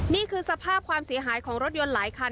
นี่คือสภาพความเสียหายของรถยนต์หลายคัน